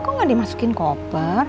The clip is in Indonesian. kok nggak dimasukin koper